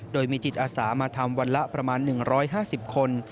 โดยมีจิตอาสามาทำวันละประมาณ๑๕๐คน